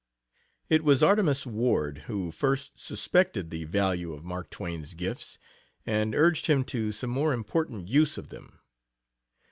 It was Artemus Ward who first suspected the value of Mark Twain's gifts, and urged him to some more important use of them.